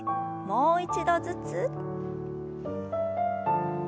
もう一度ずつ。